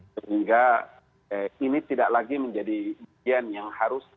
sehingga ini tidak lagi menjadi bagian yang harus